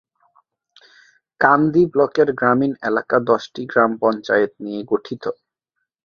কান্দি ব্লকের গ্রামীণ এলাকা দশটি গ্রাম পঞ্চায়েত নিয়ে গঠিত।